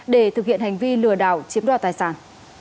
để thực hiện hành vi lừa đảo chiếm đoạt tài sản